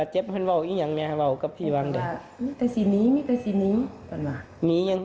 ขอหันหลังไปข้าวเดียวมันนี่เป็นน่อง